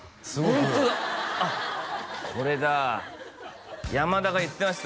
ホントだあっこれだ山田が言ってました